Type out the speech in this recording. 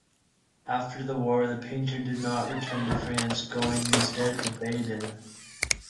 After the war, the painter did not return to France, going instead to Baden.